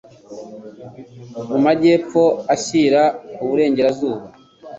Mu majyepfo ashyira uburengerazuba,